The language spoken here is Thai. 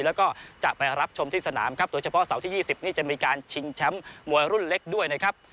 แล้วก็จะไปรับชมที่สนามครับโดยเฉพาะเสาร์ที่๒๐นี่จะมีการชิงแชมป์มวยรุ่นเล็กด้วยนะครับ